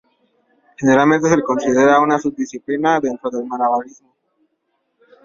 Generalmente se le considera una sub-disciplina dentro del malabarismo.